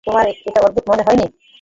তোমার এটা অদ্ভুত মনে হয়নি?